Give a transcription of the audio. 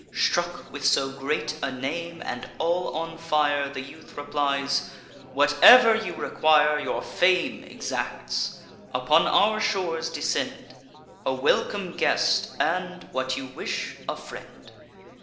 Struck with so great a name, and all on fire, The youth replies: "Whatever you require, Your fame exacts. Upon our shores descend. A welcome guest, and, what you wish, a friend."